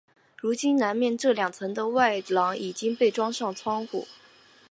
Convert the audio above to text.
如今南面这两层的外廊已经被装上窗户。